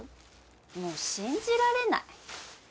もう信じられない。